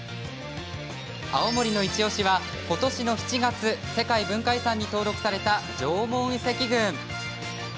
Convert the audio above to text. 青森のイチおしは、ことしの７月世界文化遺産に登録された縄文遺跡群。